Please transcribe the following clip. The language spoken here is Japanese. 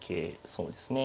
そうですね。